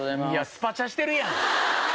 スパチャしてるやん！